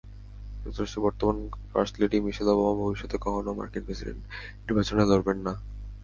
যুক্তরাষ্ট্রের বর্তমান first lady Michelle Obama ভবিষ্যতে কখনো মার্কিন প্রেসিডেন্ট নির্বাচনে লড়বেন না।